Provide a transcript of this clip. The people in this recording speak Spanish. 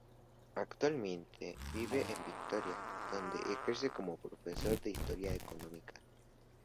Actualmente vive en Vitoria, donde ejerce como profesor de historia económica.